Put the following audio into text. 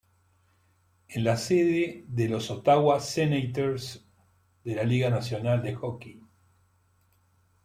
Es la sede de los Ottawa Senators de la Liga Nacional de Hockey.